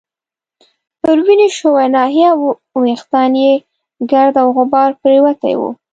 پر وینې شوې ناحیه او وریښتانو يې ګرد او غبار پرېوتی وو.